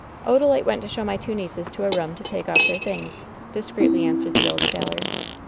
Odalite went to show my two nieces to a room to take off their things," discreetly answered the old sailor.